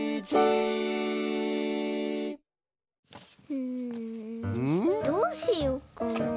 うんどうしよっかな。